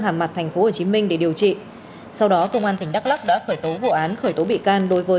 hàm mặt tp hcm để điều trị sau đó công an tỉnh đắk lắc đã khởi tố vụ án khởi tố bị can đối với